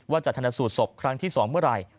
จะธนสูตรศพครั้งที่๒เมื่อไหร่